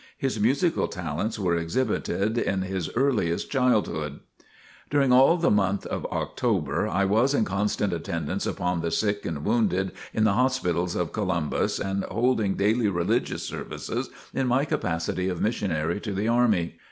His musical talents were exhibited in his earliest childhood. During all the month of October I was in constant attendance upon the sick and wounded in the hospitals of Columbus and holding daily religious services in my capacity of Missionary to the Army.